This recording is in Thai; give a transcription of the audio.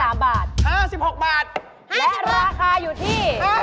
และราคาอยู่ที่